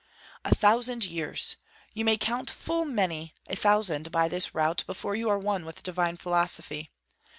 A thousand years! You may count full many a thousand by this route before you are one with divine Philosophy.